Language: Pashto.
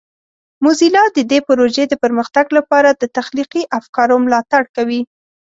موزیلا د دې پروژې د پرمختګ لپاره د تخلیقي افکارو ملاتړ کوي.